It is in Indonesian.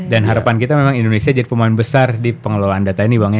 dan harapan kita memang indonesia jadi pemain besar di pengelolaan data ini bang